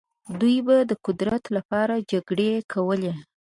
دوی به د قدرت لپاره جګړې کولې.